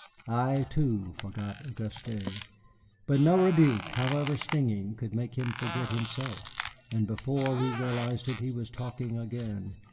I, too, forgot Auguste. But no rebuke, however stinging, could make him forget himself, and before we realized it he was talking again.